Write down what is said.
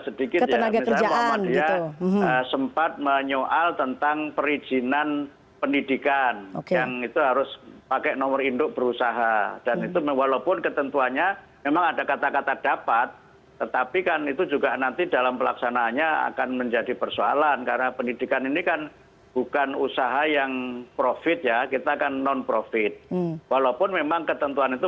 selain itu presiden judicial review ke mahkamah konstitusi juga masih menjadi pilihan pp muhammadiyah